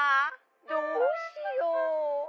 どうしよう！」